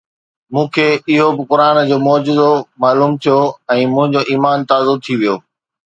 مون کي اهو به قرآن جو معجزو معلوم ٿيو ۽ منهنجو ايمان تازو ٿي ويو